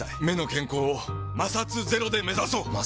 目の健康を摩擦ゼロで目指そう！